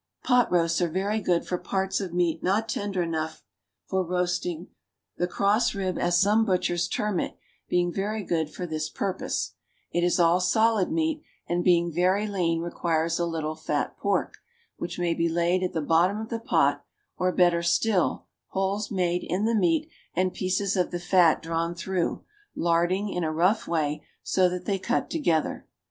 Pot roasts are very good for parts of meat not tender enough for roasting, the "cross rib," as some butchers term it, being very good for this purpose; it is all solid meat, and being very lean, requires a little fat pork, which may be laid at the bottom of the pot; or better still, holes made in the meat and pieces of the fat drawn through, larding in a rough way, so that they cut together.